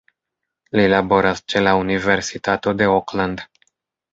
Li laboras ĉe la Universitato de Auckland.